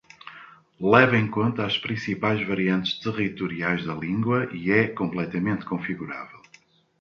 Leva em conta as principais variantes territoriais da língua e é completamente configurável.